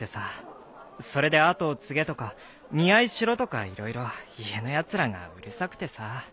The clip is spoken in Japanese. それで「跡を継げ」とか「見合いしろ」とか色々家のやつらがうるさくてさ。